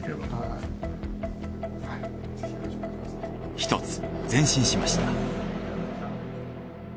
ひとつ前進しました。